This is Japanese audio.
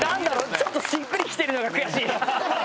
ちょっとしっくり来てるのが悔しい。